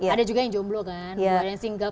ada juga yang jomblo kan ada yang singgah